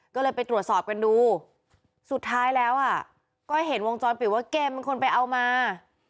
ก็เลยไปตรวจสอบกันดูสุดท้ายแล้วก็เห็นวงจรปิดว่าเกมเป็นคนไปเอามา